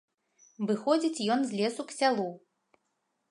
Выходзіць ён з лесу к сялу.